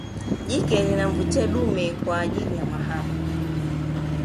Jike linamvutia dume kwa ajili ya mahaba